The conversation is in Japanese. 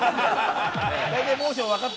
大体モーションわかった？